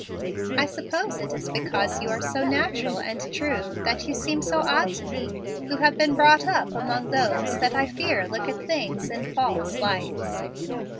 "I suppose it is because you are so natural and true that you seem so odd to me, who have been brought up among those that I fear look at things in false lights."